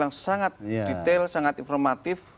yang sangat detail sangat informatif